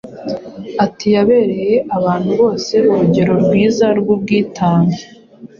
Ati: “Yabereye abantu bose urugero rwiza rw’ubwitange,